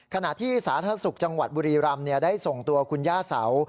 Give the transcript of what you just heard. ขณะที่สาธารณสุขจังหวัดบุรีรำได้ส่งตัวคุณย่าเสา